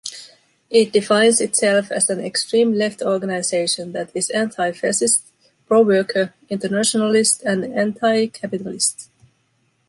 It defines itself as an extreme left organization that is anti-fascist, pro-worker, internationalist, and anti-capitalist.